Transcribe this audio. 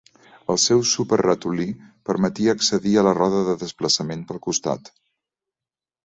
El seu "Súper Ratolí" permetia accedir a la roda de desplaçament pel costat.